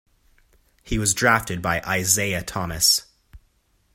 He was drafted by Isiah Thomas.